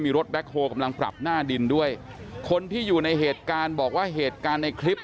มีรถแบ็คโฮลกำลังปรับหน้าดินด้วยคนที่อยู่ในเหตุการณ์บอกว่าเหตุการณ์ในคลิป